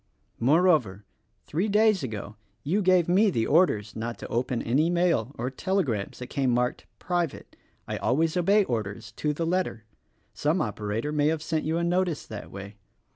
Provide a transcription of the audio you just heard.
Moreover, three days ago you gave me orders not to open any mail or telegrams that came marked "Private" — I always obey orders, to the letter. Some operator may have sent you a notice that way.